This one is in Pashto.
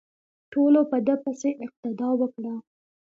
ټولو په ده پسې اقتدا وکړه.